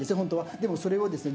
でもそれをですね